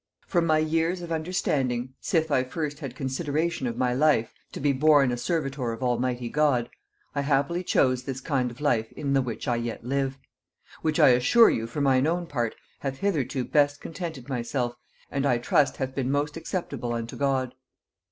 "...From my years of understanding, sith I first had consideration of my life, to be born a servitor of almighty God, I happily chose this kind of life, in the which I yet live; which I assure you for mine own part hath hitherto best contented myself, and I trust hath been most acceptable unto God.